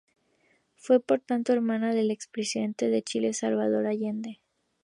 Fue, por tanto, hermana del expresidente de Chile, Salvador Allende.